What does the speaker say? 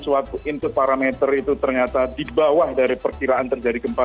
suatu input parameter itu ternyata di bawah dari perkiraan terjadi gempa